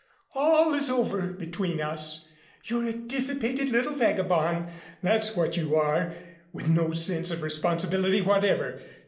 All is over between us. You're a dissipated little vagabond, that's what you are, with no sense of responsibility whatever.